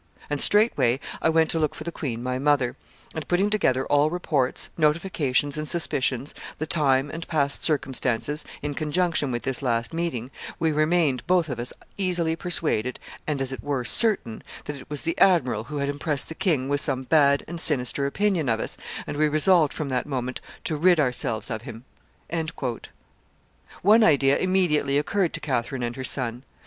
And straightway I went to look for the queen my mother; and, putting together all reports, notifications, and suspicions, the time, and past circumstances, in conjunction with this last meeting, we remained both of us easily persuaded, and as it were certain, that it was the admiral who had impressed the king with some bad and sinister opinion of us, and we resolved from that moment to rid ourselves of him." One idea immediately occurred to Catherine and her son.